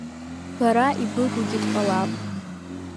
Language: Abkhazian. Бара ибыгугьы дҟалап.